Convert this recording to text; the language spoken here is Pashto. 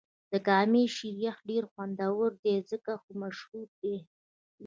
د کامی شیر یخ ډېر خوندور دی ځکه خو مشهور دې.